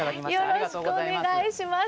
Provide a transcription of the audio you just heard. よろしくお願いします。